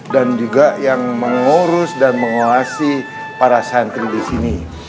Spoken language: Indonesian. dan juga yang mengurus dan menguasai para santri di sini